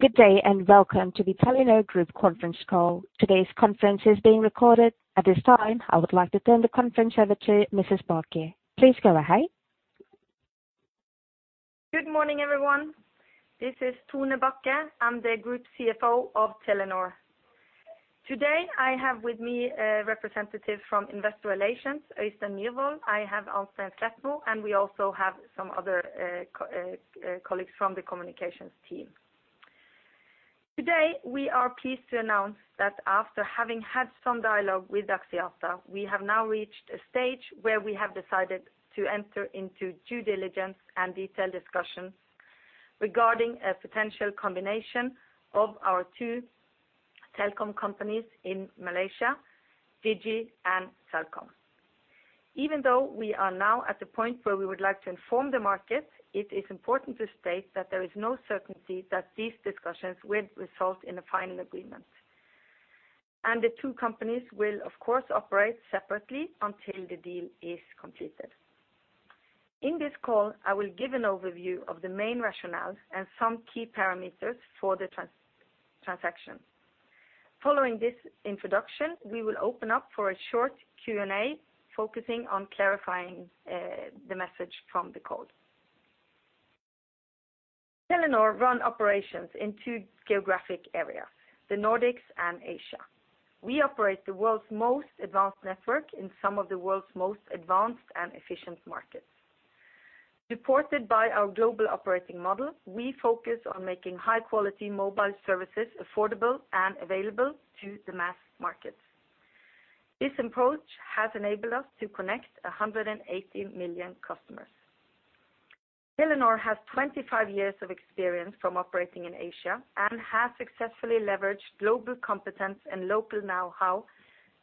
Good day and welcome to the Telenor Group conference call. Today's conference is being recorded. At this time, I would like to turn the conference over to Mrs. Bachke. Please go ahead. Good morning, everyone. This is Tone Bachke. I'm the Group CFO of Telenor. Today, I have with me a representative from Investor Relations, Øystein Nyvoll. I have Arnstein Kvesmo. We also have some other colleagues from the communications team. Today, we are pleased to announce that after having had some dialogue with Axiata, we have now reached a stage where we have decided to enter into due diligence and detailed discussions regarding a potential combination of our two telecom companies in Malaysia, Digi and Celcom. Even though we are now at the point where we would like to inform the market, it is important to state that there is no certainty that these discussions will result in a final agreement. The two companies will, of course, operate separately until the deal is completed. In this call, I will give an overview of the main rationale and some key parameters for the transaction. Following this introduction, we will open up for a short Q&A focusing on clarifying the message from the call. Telenor run operations in two geographic areas, the Nordics and Asia. We operate the world's most advanced network in some of the world's most advanced and efficient markets. Supported by our global operating model, we focus on making high-quality mobile services affordable and available to the mass markets. This approach has enabled us to connect 180 million customers. Telenor has 25 years of experience from operating in Asia and has successfully leveraged global competence and local know-how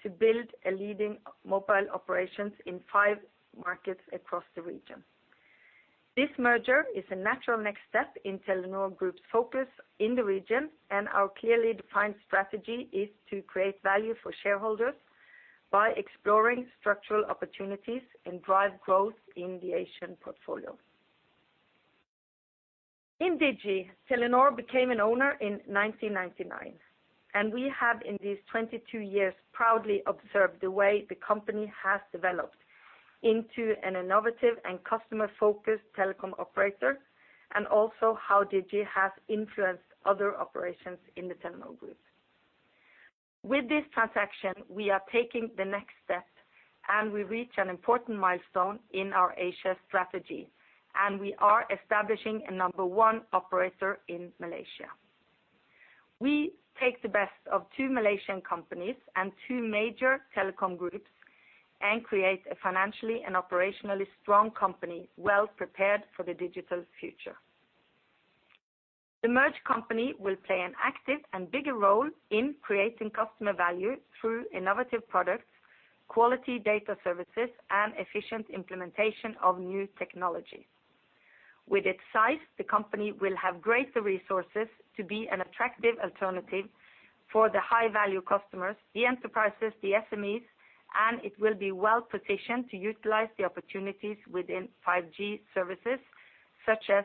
to build a leading mobile operation in five markets across the region. This merger is a natural next step in Telenor Group's focus in the region. Our clearly defined strategy is to create value for shareholders by exploring structural opportunities and drive growth in the Asian portfolio. In Digi, Telenor became an owner in 1999. We have, in these 22 years, proudly observed the way the company has developed into an innovative and customer-focused telecom operator, and also how Digi has influenced other operations in the Telenor Group. With this transaction, we are taking the next step. We reach an important milestone in our Asia strategy. We are establishing a number one operator in Malaysia. We take the best of two Malaysian companies and two major telecom groups and create a financially and operationally strong company well prepared for the digital future. The merged company will play an active and bigger role in creating customer value through innovative products, quality data services, and efficient implementation of new technologies. With its size, the company will have greater resources to be an attractive alternative for the high-value customers, the enterprises, the SMEs, and it will be well-positioned to utilize the opportunities within 5G services such as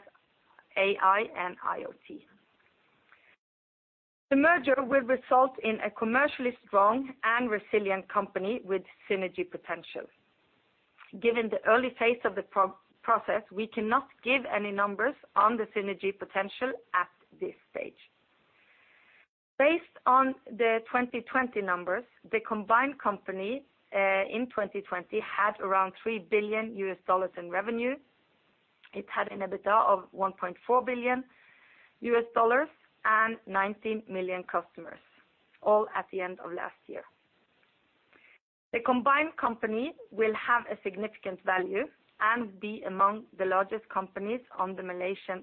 AI and IoT. The merger will result in a commercially strong and resilient company with synergy potential. Given the early phase of the process, we cannot give any numbers on the synergy potential at this stage. Based on the 2020 numbers, the combined company in 2020 had around $3 billion in revenue. It had an EBITDA of $1.4 billion and 19 million customers, all at the end of last year. The combined company will have a significant value and be among the largest companies on the Bursa Malaysia.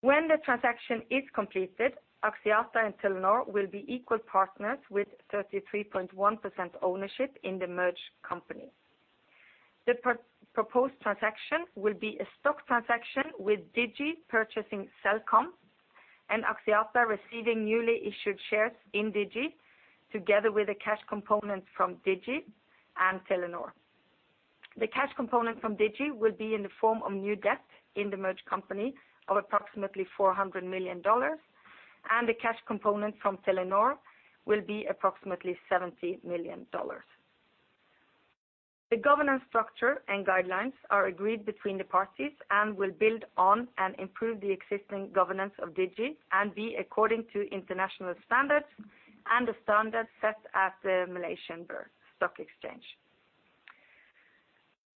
When the transaction is completed, Axiata and Telenor will be equal partners with 33.1% ownership in the merged company. The proposed transaction will be a stock transaction with Digi purchasing Celcom and Axiata receiving newly issued shares in Digi together with a cash component from Digi and Telenor. The cash component from Digi will be in the form of new debt in the merged company of approximately MYR 400 million, and the cash component from Telenor will be approximately MYR 70 million. The governance structure and guidelines are agreed between the parties and will build on and improve the existing governance of Digi and be according to international standards and the standards set at the Bursa Malaysia.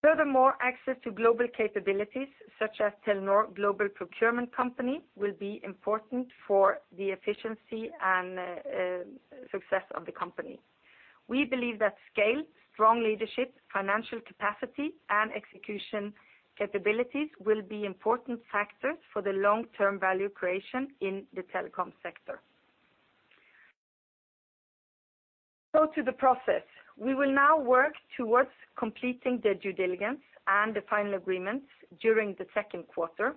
Furthermore, access to global capabilities such as Telenor Procurement Company will be important for the efficiency and success of the company. We believe that scale, strong leadership, financial capacity, and execution capabilities will be important factors for the long-term value creation in the telecom sector. To the process, we will now work towards completing the due diligence and the final agreements during the second quarter.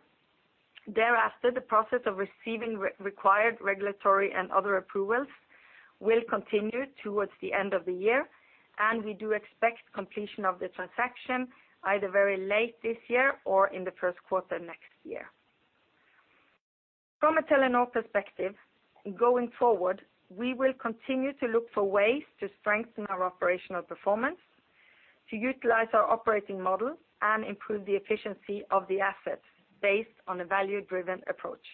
Thereafter, the process of receiving required regulatory and other approvals will continue towards the end of the year, and we do expect completion of the transaction either very late this year or in the first quarter next year. From a Telenor perspective, going forward, we will continue to look for ways to strengthen our operational performance, to utilize our operating model and improve the efficiency of the assets based on a value-driven approach.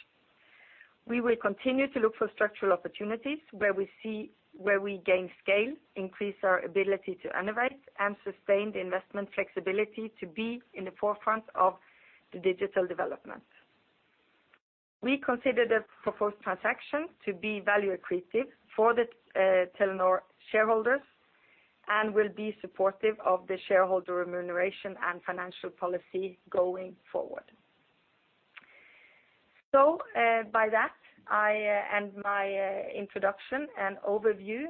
We will continue to look for structural opportunities where we gain scale, increase our ability to innovate and sustain the investment flexibility to be in the forefront of the digital development. We consider the proposed transaction to be value accretive for the Telenor shareholders and will be supportive of the shareholder remuneration and financial policy going forward. By that, I end my introduction and overview.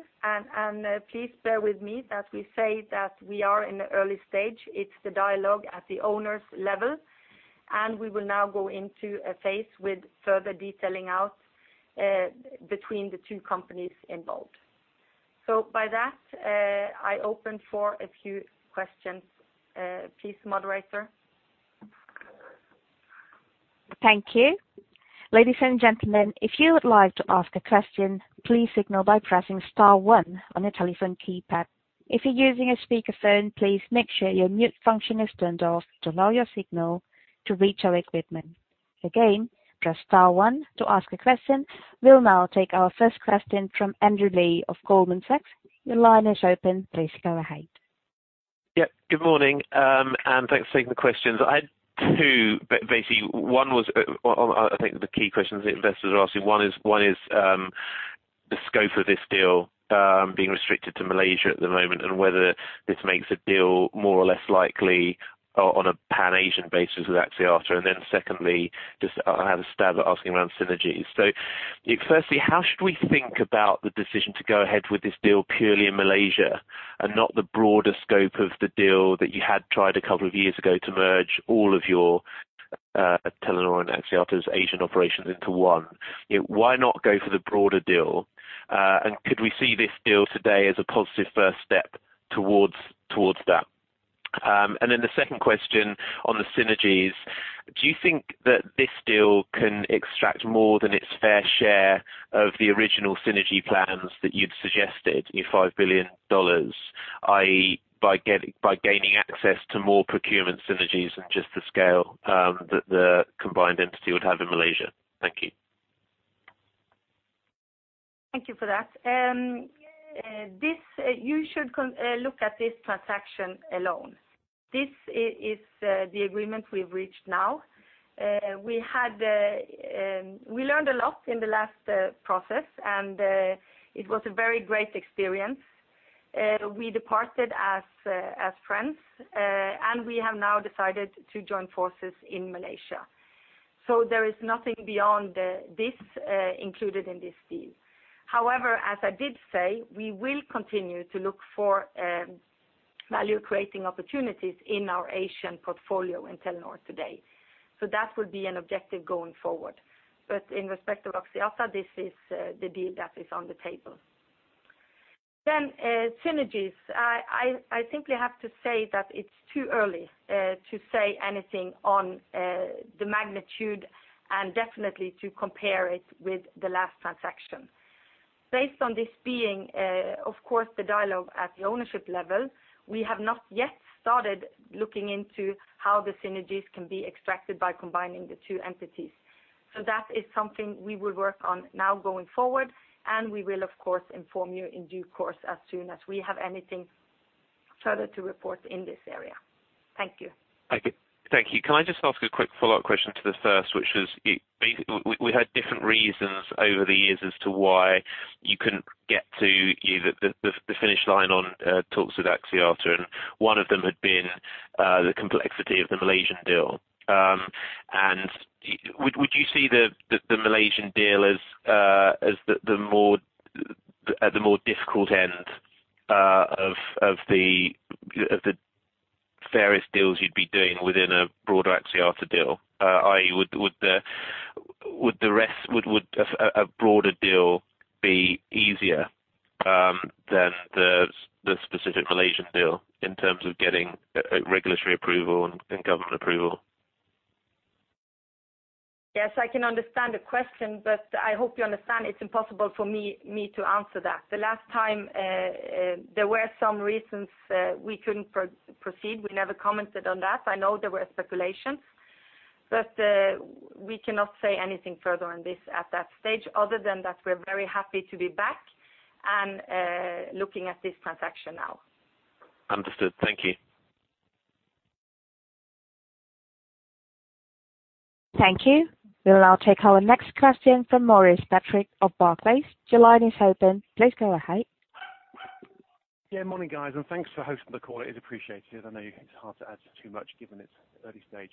Please bear with me that we say that we are in the early stage. It's the dialogue at the owner's level, and we will now go into a phase with further detailing out between the two companies involved. By that, I open for a few questions. Please, moderator. We'll now take our first question from Andrew Lee of Goldman Sachs. Your line is open. Please go ahead. Yeah. Good morning, thanks for taking the questions. I had two, but basically, one was, I think the key questions the investors are asking. One is the scope of this deal being restricted to Malaysia at the moment and whether this makes a deal more or less likely on a pan-Asian basis with Axiata. Secondly, just I had a stab at asking around synergies. Firstly, how should we think about the decision to go ahead with this deal purely in Malaysia and not the broader scope of the deal that you had tried a couple of years ago to merge all of your Telenor and Axiata's Asian operations into one? Why not go for the broader deal? Could we see this deal today as a positive first step towards that? The second question on the synergies. Do you think that this deal can extract more than its fair share of the original synergy plans that you'd suggested in $5 billion, i.e., by gaining access to more procurement synergies and just the scale that the combined entity would have in Malaysia? Thank you. Thank you for that. You should look at this transaction alone. This is the agreement we've reached now. We learned a lot in the last process, and it was a very great experience. We departed as friends, and we have now decided to join forces in Malaysia. There is nothing beyond this included in this deal. However, as I did say, we will continue to look for value-creating opportunities in our Asian portfolio in Telenor today. That would be an objective going forward. In respect of Axiata, this is the deal that is on the table. Synergies. I think we have to say that it's too early to say anything on the magnitude and definitely to compare it with the last transaction. Based on this being, of course, the dialogue at the ownership level, we have not yet started looking into how the synergies can be extracted by combining the two entities. That is something we would work on now going forward, and we will, of course, inform you in due course as soon as we have anything further to report in this area. Thank you. Thank you. Can I just ask a quick follow-up question to the first, which is, we had different reasons over the years as to why you couldn't get to the finish line on talks with Axiata, and one of them had been the complexity of the Malaysian deal. Would you see the Malaysian deal as the more difficult end of the various deals you'd be doing within a broader Axiata deal, i.e., would a broader deal be easier than the specific Malaysian deal in terms of getting regulatory approval and government approval? Yes, I can understand the question. I hope you understand it's impossible for me to answer that. The last time there were some reasons we couldn't proceed. We never commented on that. I know there were speculations. We cannot say anything further on this at that stage other than that we're very happy to be back and looking at this transaction now. Understood. Thank you. Thank you. We'll now take our next question from Maurice Patrick of Barclays. Your line is open. Please go ahead. Morning, guys. Thanks for hosting the call. It is appreciated. I know it's hard to add too much given it's early stage.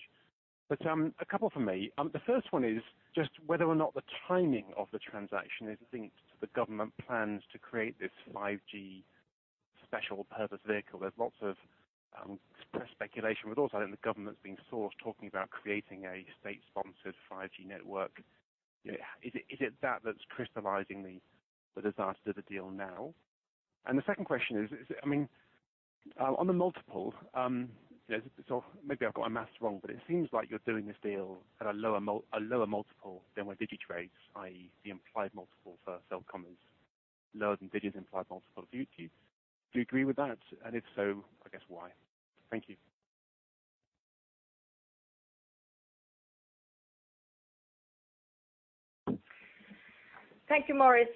A couple from me. The first one is just whether or not the timing of the transaction is linked to the government plans to create this 5G special purpose vehicle. There's lots of press speculation. Also, I think the government's been sourced talking about creating a state-sponsored 5G network. Is it that that's crystallizing the disire of the deal now? The second question is, on the multiple, maybe I've got my maths wrong. It seems like you're doing this deal at a lower multiple than with Digi trades, i.e. the implied multiple for Celcom is lower than Digi's implied multiple. Do you agree with that? If so, I guess why? Thank you. Thank you, Maurice.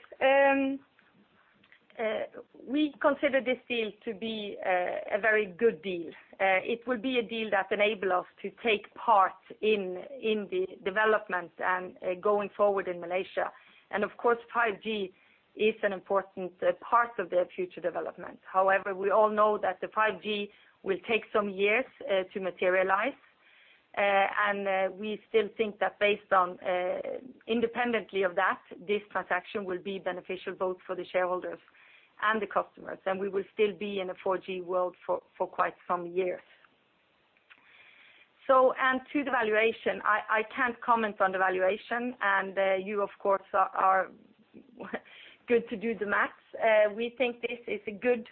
We consider this deal to be a very good deal. It will be a deal that enable us to take part in the development and going forward in Malaysia. Of course, 5G is an important part of their future development. However, we all know that the 5G will take some years to materialize. We still think that based on independently of that, this transaction will be beneficial both for the shareholders and the customers, and we will still be in a 4G world for quite some years. To the valuation, I can't comment on the valuation. You, of course, are good to do the math. We think this is a good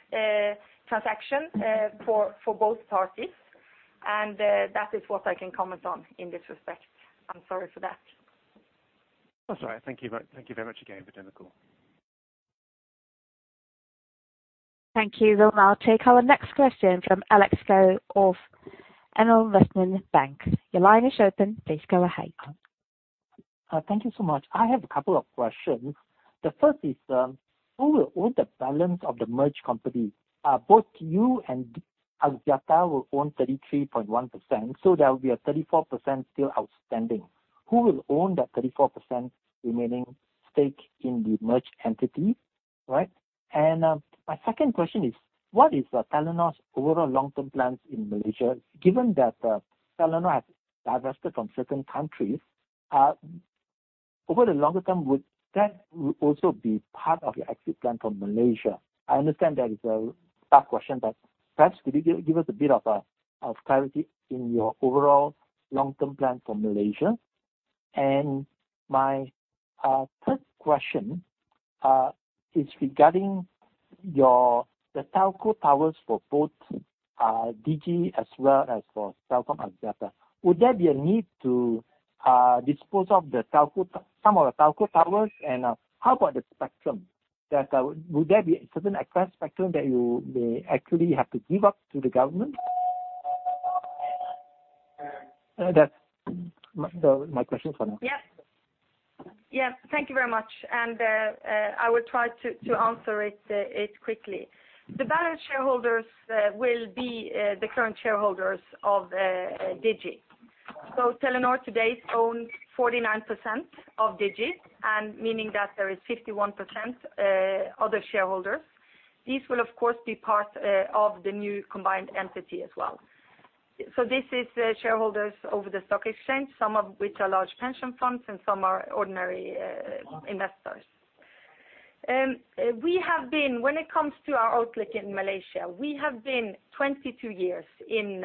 transaction for both parties, and that is what I can comment on in this respect. I'm sorry for that. That's all right. Thank you very much again for doing the call. Thank you. We'll now take our next question from Alex Goh of AmInvestment Bank. Your line is open. Please go ahead. Thank you so much. I have a couple of questions. The first is, who will own the balance of the merged co? Both you and Axiata will own 33.1%, so there will be a 34% still outstanding. Who will own that 34% remaining stake in the merged entity, right? My second question is, what is Telenor's overall long-term plans in Malaysia, given that Telenor has divested from certain countries. Over the longer term, would that also be part of your exit plan from Malaysia? I understand that is a tough question, but perhaps could you give us a bit of clarity in your overall long-term plan for Malaysia? My third question is regarding the telco towers for both Digi as well as for Celcom Axiata. Would there be a need to dispose of some of the telco towers? How about the spectrum? Would there be a certain excess spectrum that you may actually have to give up to the government? That's my questions for now. Yes. Thank you very much. I will try to answer it quickly. The balance shareholders will be the current shareholders of Digi. Telenor today owns 49% of Digi, and meaning that there is 51% other shareholders. These will, of course, be part of the new combined entity as well. This is shareholders over the stock exchange, some of which are large pension funds and some are ordinary investors. When it comes to our outlook in Malaysia, we have been 22 years in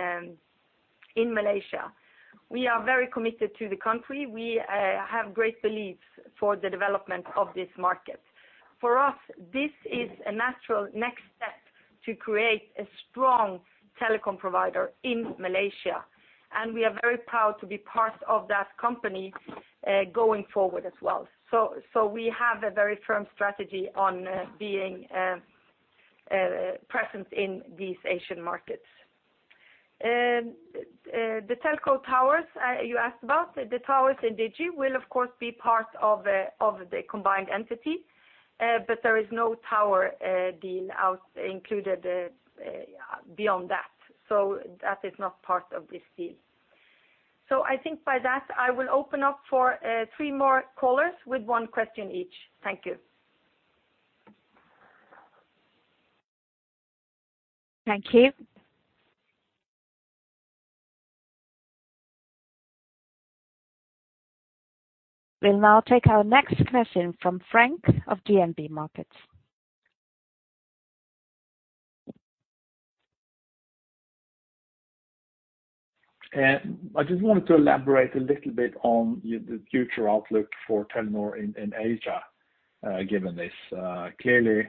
Malaysia. We are very committed to the country. We have great beliefs for the development of this market. For us, this is a natural next step to create a strong telecom provider in Malaysia, and we are very proud to be part of that company going forward as well. We have a very firm strategy on being present in these Asian markets. The telco towers you asked about, the towers in Digi will, of course, be part of the combined entity. There is no tower deal included beyond that. That is not part of this deal. I think by that, I will open up for three more callers with one question each. Thank you. Thank you. We'll now take our next question from Frank of DNB Markets. I just wanted to elaborate a little bit on the future outlook for Telenor in Asia, given this. Clearly,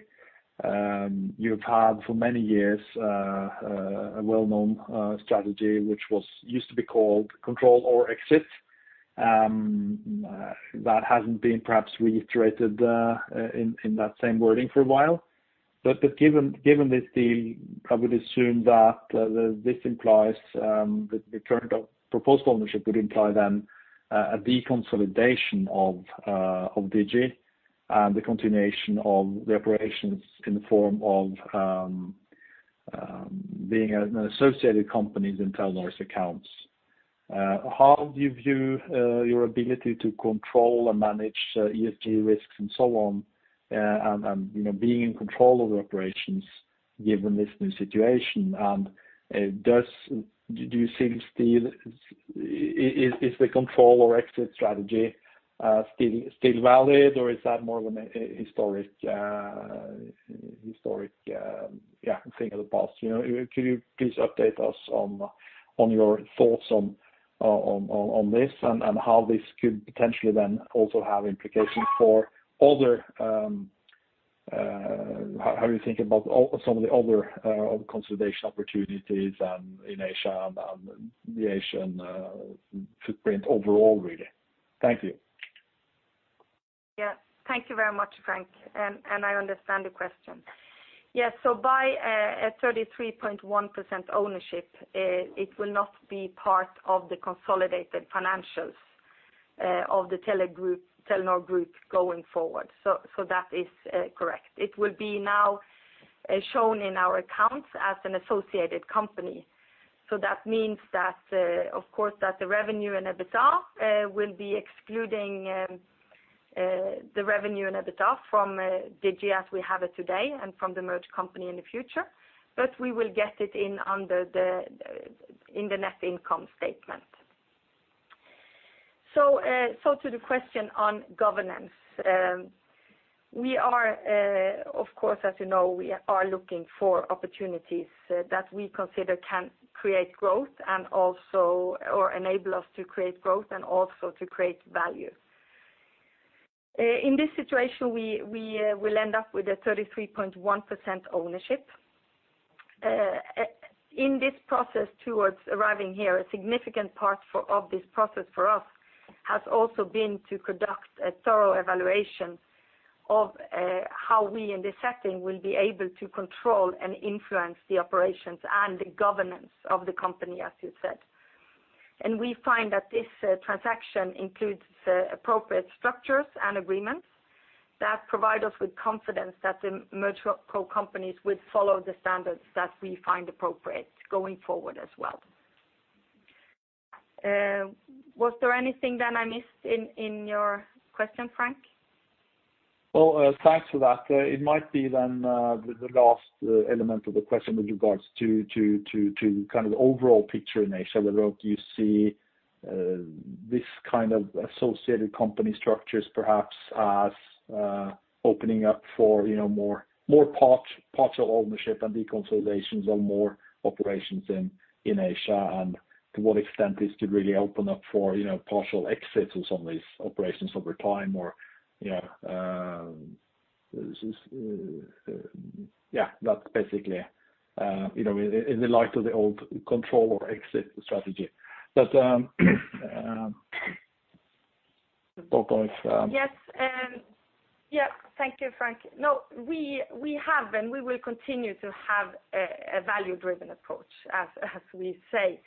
you've had for many years a well-known strategy, which used to be called control or exit. That hasn't been perhaps reiterated in that same wording for a while. Given this deal, I would assume that this implies that the current proposed ownership would imply then a deconsolidation of Digi and the continuation of the operations in the form of being an associated company in Telenor's accounts. How do you view your ability to control and manage ESG risks and so on, and being in control of the operations? Given this new situation, do you think is the control or exit strategy still valid, or is that more of an historic thing of the past? Can you please update us on your thoughts on this and how this could potentially then also have implications? How you think about some of the other consolidation opportunities in Asia and the Asian footprint overall, really? Thank you. Yeah. Thank you very much, Frank, and I understand the question. Yes. By a 33.1% ownership, it will not be part of the consolidated financials of the Telenor Group going forward. That is correct. It will be now shown in our accounts as an associated company. That means that, of course, that the revenue and EBITDA will be excluding the revenue and EBITDA from Digi as we have it today and from the merged company in the future. We will get it in the net income statement. To the question on governance. We are, of course, as you know, we are looking for opportunities that we consider can create growth and also, or enable us to create growth and also to create value. In this situation, we will end up with a 33.1% ownership. In this process towards arriving here, a significant part of this process for us has also been to conduct a thorough evaluation of how we, in this setting, will be able to control and influence the operations and the governance of the company, as you said. We find that this transaction includes appropriate structures and agreements that provide us with confidence that the merged co would follow the standards that we find appropriate going forward as well. Was there anything that I missed in your question, Frank? Well, thanks for that. It might be then the last element of the question with regards to the overall picture in Asia, whether do you see this kind of associated company structures perhaps as opening up for more partial ownership and deconsolidations or more operations in Asia, and to what extent this could really open up for partial exits of some of these operations over time. Yeah, that's basically in the light of the old control or exit strategy. Thank you, Frank. We have, and we will continue to have a value-driven approach, as we say.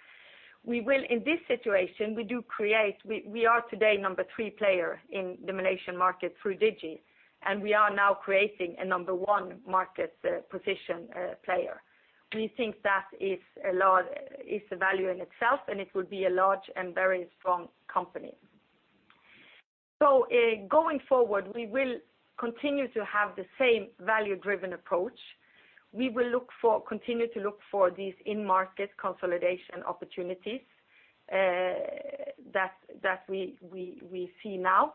In this situation, we are today number 3 player in the Malaysian market through Digi, and we are now creating a number 1 market position player. We think that is a value in itself, and it will be a large and very strong company. Going forward, we will continue to have the same value-driven approach. We will continue to look for these in-market consolidation opportunities that we see now,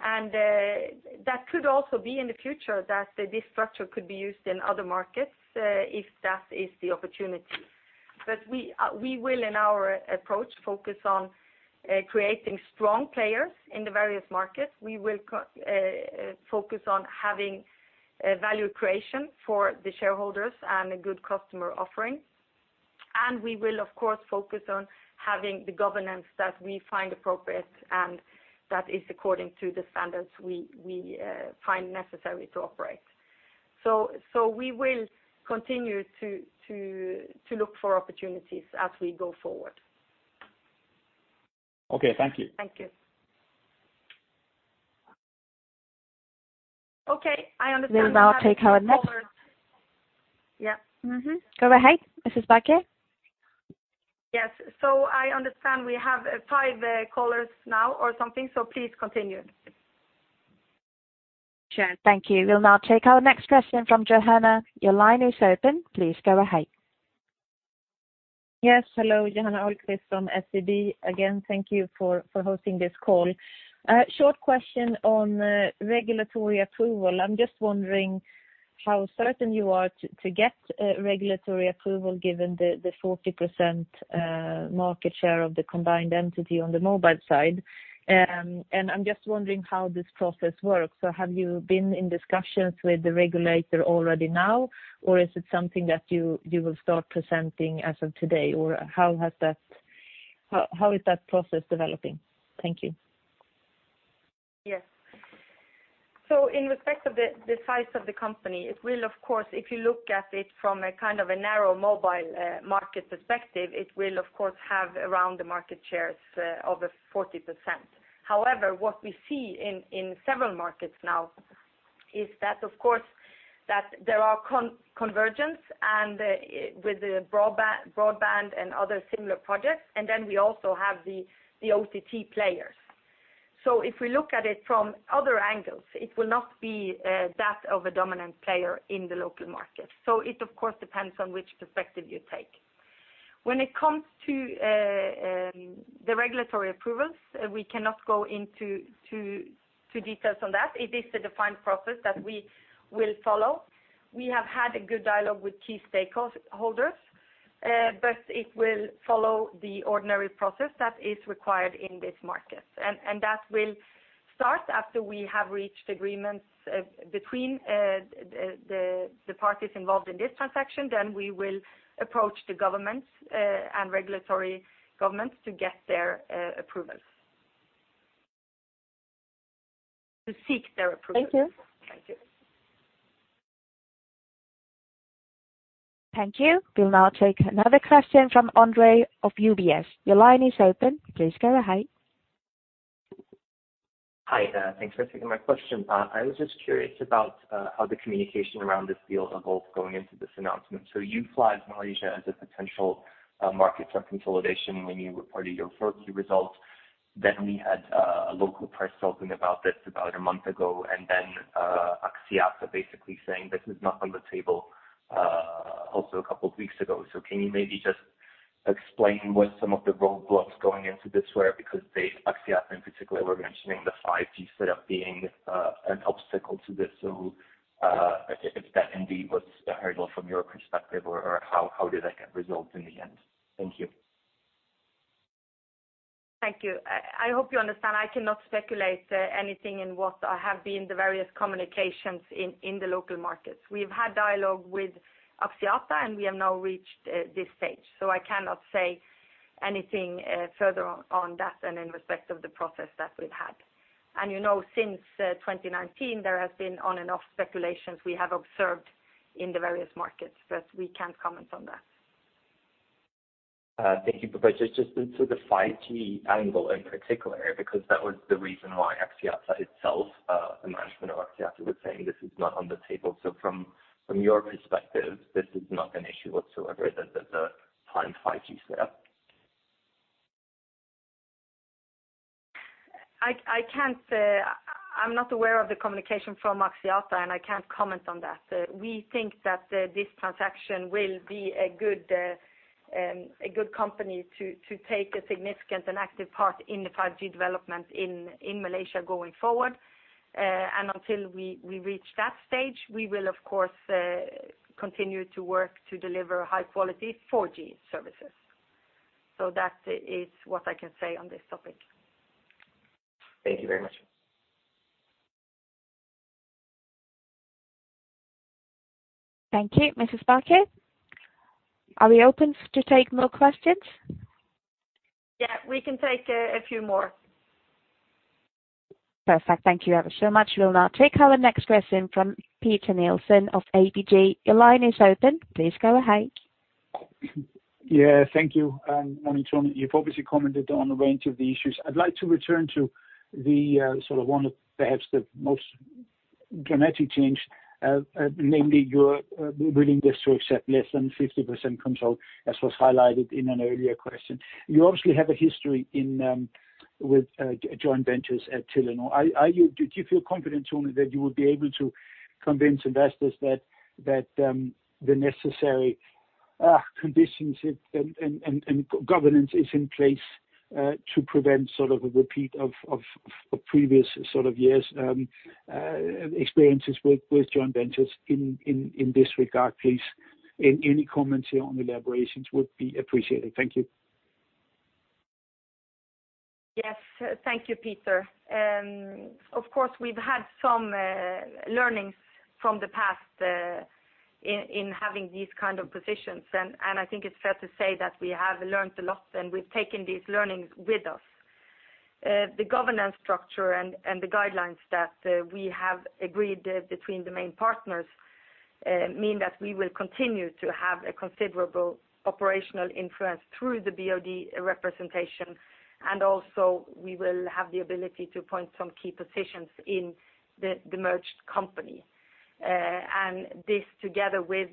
and that could also be in the future that this structure could be used in other markets, if that is the opportunity. We will, in our approach, focus on creating strong players in the various markets. We will focus on having value creation for the shareholders and a good customer offering. We will, of course, focus on having the governance that we find appropriate and that is according to the standards we find necessary to operate. We will continue to look for opportunities as we go forward. Okay. Thank you. Thank you. Okay. I understand we have callers. We'll now take our next. Yeah. Go ahead, Mrs. Bachke. Yes. I understand we have five callers now or something, so please continue. Sure. Thank you. We'll now take our next question from Johanna. Your line is open. Please go ahead. Yes. Hello, Johanna Ahlqvist from SEB. Again, thank you for hosting this call. Short question on regulatory approval. I am just wondering how certain you are to get regulatory approval given the 40% market share of the combined entity on the mobile side. I am just wondering how this process works. Have you been in discussions with the regulator already now, or is it something that you will start presenting as of today, or how is that process developing? Thank you. Yes. In respect of the size of the company, it will, of course, if you look at it from a kind of a narrow mobile market perspective, it will of course have around the market shares of 40%. What we see in several markets now is that, of course, that there are convergence and with the broadband and other similar projects, and then we also have the OTT players. If we look at it from other angles, it will not be that of a dominant player in the local market. It, of course, depends on which perspective you take. When it comes to the regulatory approvals, we cannot go into details on that. It is the defined process that we will follow. We have had a good dialogue with key stakeholders, it will follow the ordinary process that is required in this market. That will start after we have reached agreements between the parties involved in this transaction. We will approach the governments and regulatory governments to get their approvals. To seek their approvals. Thank you. Thank you. Thank you. We'll now take another question from Andre of UBS. Your line is open. Please go ahead. Hi, thanks for taking my question. I was just curious about how the communication around this deal evolved going into this announcement. You flagged Malaysia as a potential market for consolidation when you reported your first few results. We had a local press talking about this about a month ago, Axiata basically saying this is not on the table, also a couple of weeks ago. Can you maybe just explain what some of the roadblocks going into this were, because they, Axiata in particular, were mentioning the 5G setup being an obstacle to this. If that indeed was a hurdle from your perspective, or how did that get resolved in the end? Thank you. Thank you. I hope you understand I cannot speculate anything in what have been the various communications in the local markets. We've had dialogue with Axiata, and we have now reached this stage, so I cannot say anything further on that and in respect of the process that we've had. You know since 2019, there has been on-and-off speculations we have observed in the various markets, but we can't comment on that. Thank you. Just into the 5G angle in particular, because that was the reason why Axiata itself, the management of Axiata, was saying this is not on the table. From your perspective, this is not an issue whatsoever, the planned 5G set up? I'm not aware of the communication from Axiata, and I can't comment on that. We think that this transaction will be a good company to take a significant and active part in the 5G development in Malaysia going forward. Until we reach that stage, we will of course, continue to work to deliver high-quality 4G services. That is what I can say on this topic. Thank you very much. Thank you. Mrs. Bachke, are we open to take more questions? Yeah, we can take a few more. Perfect. Thank you ever so much. We'll now take our next question from Peter Nielsen of ABG. Your line is open. Please go ahead. Thank you. Morning, Tone. You've obviously commented on a range of the issues. I'd like to return to the one perhaps the most dramatic change, namely your willingness to accept less than 50% control, as was highlighted in an earlier question. You obviously have a history with joint ventures at Telenor. Do you feel confident, Tone, that you will be able to convince investors that the necessary conditions and governance is in place to prevent a repeat of previous years' experiences with joint ventures in this regard, please? Any comments here or any elaborations would be appreciated. Thank you. Yes. Thank you, Peter. Of course, we've had some learnings from the past in having these kind of positions, and I think it's fair to say that we have learned a lot, and we've taken these learnings with us. The governance structure and the guidelines that we have agreed between the main partners mean that we will continue to have a considerable operational influence through the BOD representation, and also we will have the ability to appoint some key positions in the merged company. This, together with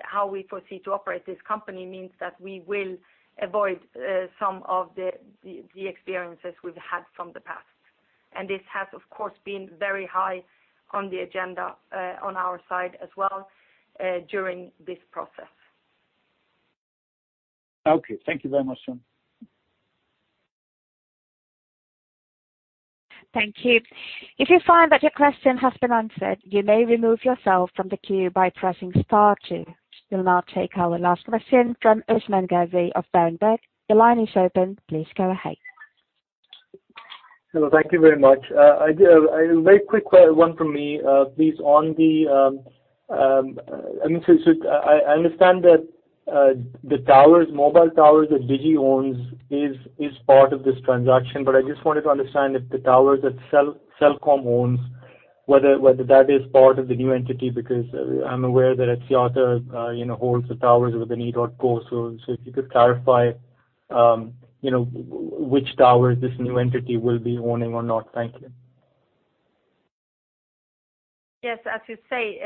how we foresee to operate this company, means that we will avoid some of the experiences we've had from the past. This has, of course, been very high on the agenda on our side as well during this process. Okay. Thank you very much, Tone. Thank you. If you find that your question has been answered, you may remove yourself from the queue by pressing star two. We'll now take our last question from Usman Ghazi of Berenberg. Your line is open. Please go ahead. Hello. Thank you very much. A very quick one from me, please. I understand that the mobile towers that Digi owns is part of this transaction, but I just wanted to understand if the towers that Celcom owns, whether that is part of the new entity, because I'm aware that Axiata holds the towers within edotco. If you could clarify which towers this new entity will be owning or not. Thank you. Yes, as you say,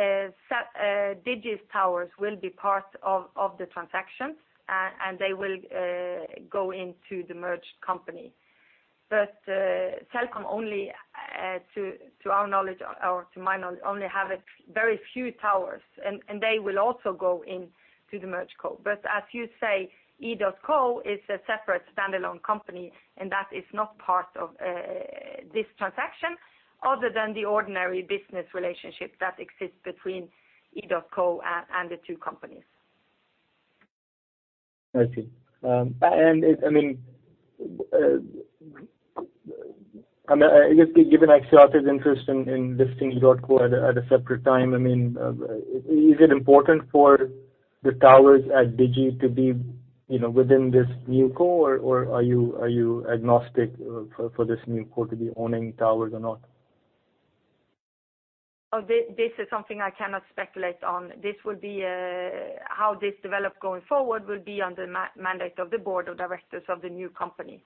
Digi's towers will be part of the transaction, and they will go into the merged company. Celcom only, to my knowledge, only have a very few towers, and they will also go into the merged co. As you say, edotco is a separate standalone company, and that is not part of this transaction other than the ordinary business relationship that exists between edotco and the two companies. I see. Given Axiata's interest in listing edotco at a separate time, is it important for the towers at Digi to be within this new co, or are you agnostic for this new co to be owning towers or not? This is something I cannot speculate on. How this develops going forward will be under mandate of the Board of Directors of the new company.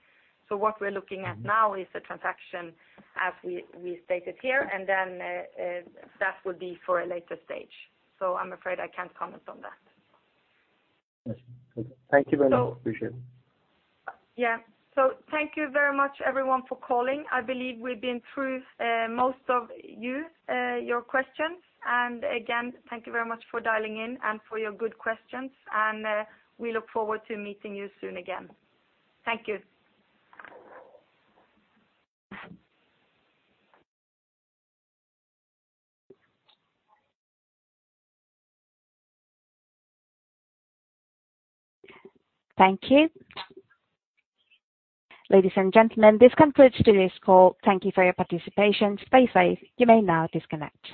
What we're looking at now is the transaction as we stated here, then that would be for a later stage. I'm afraid I can't comment on that. Thank you very much. Appreciate it. Thank you very much, everyone, for calling. I believe we've been through most of your questions. Again, thank you very much for dialing in and for your good questions, and we look forward to meeting you soon again. Thank you. Thank you. Ladies and gentlemen, this concludes today's call. Thank you for your participation. Stay safe. You may now disconnect.